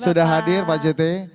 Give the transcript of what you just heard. sudah hadir pak ct